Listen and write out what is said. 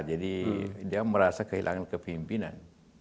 jadi dia merasa kehilangan kepimpinan